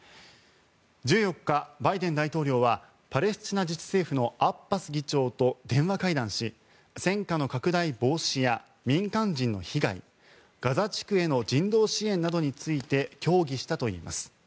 １４日、バイデン大統領はパレスチナ自治政府のアッバス議長と電話会談し戦火の拡大防止や民間人の被害ガザ地区への人道支援などについて協議したといいます。